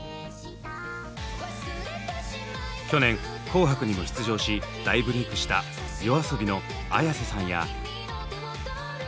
去年紅白にも出場し大ブレークしたＹＯＡＳＯＢＩのＡｙａｓｅさんや。